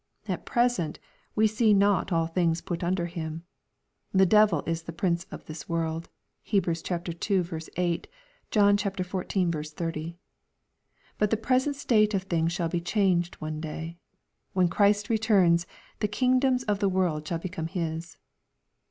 At present we see not all things put under Him." The devil is the prince of this world/' (Heb. ii. 8 ; John xiv. 80.) But the present state of things shall be changed one day. When Christ returns, the kingdoms of the world shall become His.